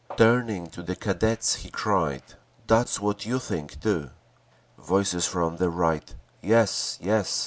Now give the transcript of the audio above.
Turning to the Cadets he cried, "That's what you think, too!" Voices from the Right, "Yes! Yes!"